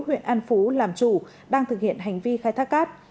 huyện an phú làm chủ đang thực hiện hành vi khai thác cát